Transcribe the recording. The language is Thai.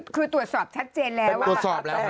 คือตรวจสอบชัดเจนแล้วว่า